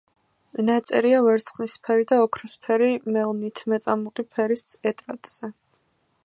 ნაწერია ვერცხლისფერი და ოქროსფერი მელნით მეწამული ფერის ეტრატზე.